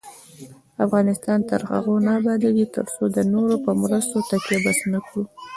افغانستان تر هغو نه ابادیږي، ترڅو د نورو په مرستو تکیه بس نکړو.